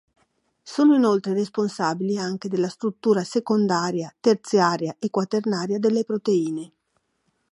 Sono inoltre responsabili anche della struttura secondaria, terziaria e quaternaria delle proteine.